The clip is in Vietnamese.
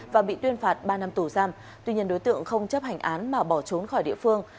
và bị tuyên phạt ba năm tù giam tuy nhiên đối tượng không chấp hành án mà bỏ trốn khỏi địa phương